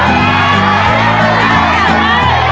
เอาลงลูก